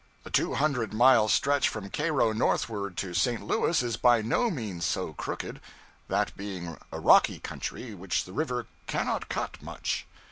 The two hundred mile stretch from Cairo northward to St. Louis is by no means so crooked, that being a rocky country which the river cannot cut much.